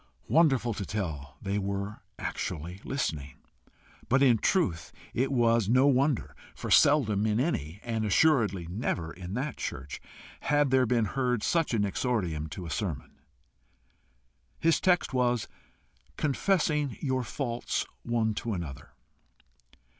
Wonderful to tell, they were actually listening. But in truth it was no wonder, for seldom in any, and assuredly never in that church, had there been heard such an exordium to a sermon. His text was "Confessing your faults one to another."